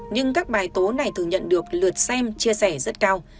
nhưng các bài tố này thường nhận được lượt xem chia sẻ rất cao